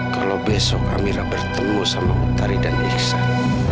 kalau besok amira bertemu sama muftari dan iksan